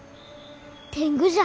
天狗じゃ。